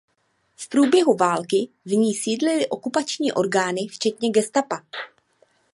V průběhu války v ní sídlily okupační orgány včetně gestapa.